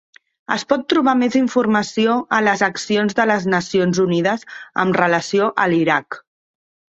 Es pot trobar mes informació a les accions de les Nacions Unides amb relació a l'Iraq.